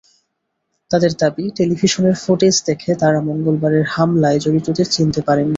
তাঁদের দাবি, টেলিভিশনের ফুটেজ দেখে তাঁরা মঙ্গলবারের হামলায় জড়িতদের চিনতে পারেননি।